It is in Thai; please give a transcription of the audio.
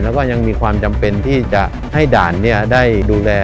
แล้วก็ยังมีความจำเป็นที่จะให้ด่านได้ดูแล